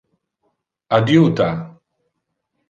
Adjuta!